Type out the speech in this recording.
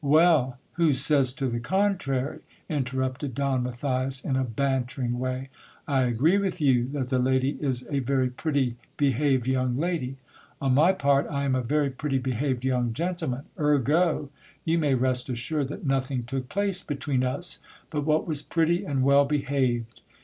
Well ! Who says to the contrary ? interrupted Don Matthias in a bantering way. I agree with you, that the lady is a very pretty behaved young lady. On my part, I am a very pretty behaved young gentleman. Ergo, you may rest assured that nothing took place between us but what was pretty and well behaved.